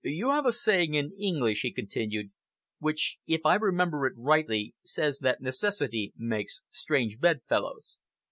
"You have a saying in English," he continued, "which, if I remember it rightly, says that necessity makes strange bedfellows.